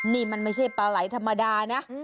นี่มันไม่ใช่ปลาไหลธรรมดานะ